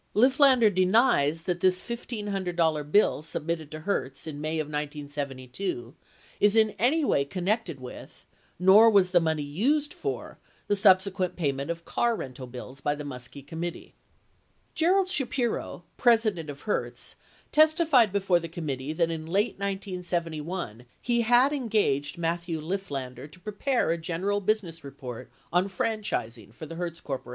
Lifflander denies that this $1,500 bill submitted to Hertz in May of 1972 is in any way connected with, nor was the money used for, the subsequent payment of car rental bills by the Muskie committee. 84 Gerald Shapiro, president of Hertz, testified before the committee that in late 1971 he had engaged Matthew Lifflander to prepare a gen eral business report on franchising for the Hertz Corp.